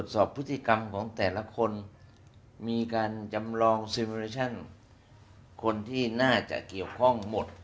สอบพฤติกรรมของแต่ละคนมีการจำลองซิเมชั่นคนที่น่าจะเกี่ยวข้องหมด